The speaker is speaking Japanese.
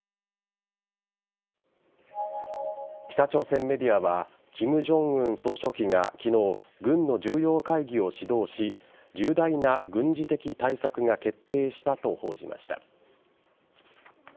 北朝鮮メディアは金正恩総書記が昨日軍の重要会議を指導し重大な軍事的対策が決定したと報じました。